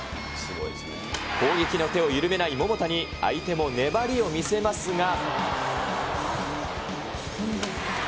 攻撃の手を緩めない桃田に、相手も粘りを見せますが。